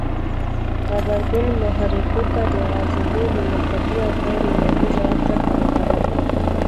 غبرګون محرکو ته د عضلو له ناڅاپي او غیر ارادي ځواب څخه عبارت دی.